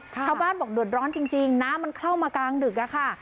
ชาวบ้านบอกเดือดร้อนจริงน้ำมันเข้ามากลางดึกอะค่ะ